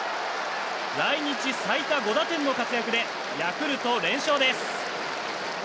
来日最多５打点の活躍でヤクルト、連勝です。